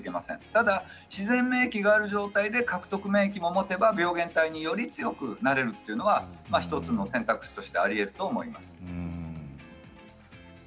ただ自然免疫がある状態で獲得免疫も持てば、病原体に強くなれるというのは１つの選択肢としてあると思います。